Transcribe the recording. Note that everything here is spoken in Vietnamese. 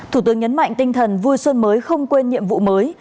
thủ tướng nhấn mạnh tinh thần vui xuân mới không quên nhiệm vụ mới